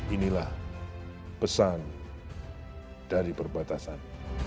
inilah pesan dari perbatasan